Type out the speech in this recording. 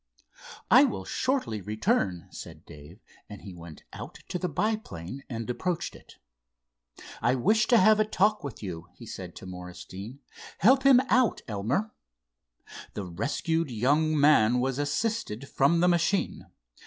"I will shortly return," said Dave, and he went out to the biplane and approached it. "I wish to have a talk with you," he said to Morris Deane. "Help him out, Elmer." The rescued young man was assisted from the machine.